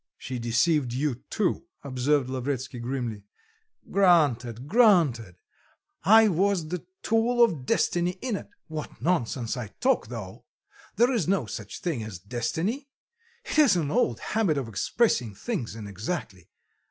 "She deceived you too," observed Lavretsky grimly. "Granted, granted; I was the tool of destiny in it what nonsense I talk, though there is no such thing as destiny; it is an old habit of expressing things inexactly.